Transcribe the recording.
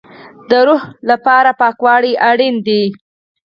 د روح لپاره پاکوالی اړین دی